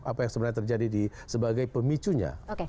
apa yang sebenarnya terjadi sebagai pemicunya